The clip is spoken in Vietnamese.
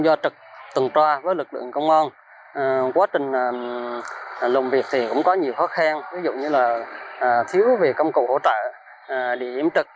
do trực tuần trò với lực lượng công an quá trình lùng việc cũng có nhiều khó khăn ví dụ như là thiếu về công cụ hỗ trợ để giếm trực